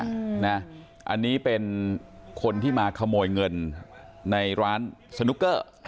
อันนี้เป็นคนที่มาขโมยเงินในร้านสนุกเกอร์